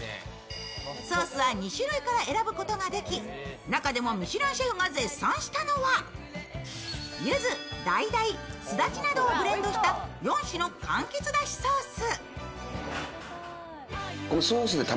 ソースは２種類から選ぶことができ中でもミシュランシェフが絶賛したのはゆず、だいだい、すだちなどをブレンドした４種のかんきつだしソース。